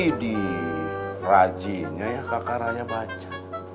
hidih rajinnya ya kak raya baca